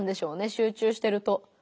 集中してると。